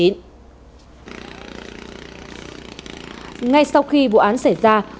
ngay sau khi vụ án xảy ra cơ quan điều tra đã vào quyết định